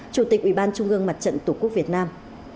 chủ tịch ủy ban trung ương mặt trận tổ quốc việt nam